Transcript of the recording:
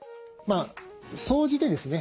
総じてですね